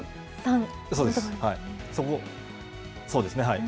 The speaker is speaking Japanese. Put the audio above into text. そうですね、はい。